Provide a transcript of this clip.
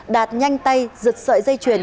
đạt nhanh tay giật sợi dây chuyền